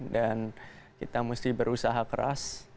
dan kita mesti berusaha keras